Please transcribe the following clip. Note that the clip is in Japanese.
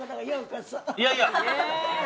いやいや。